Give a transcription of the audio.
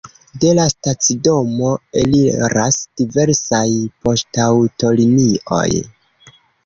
De la stacidomo eliras diversaj poŝtaŭtolinioj.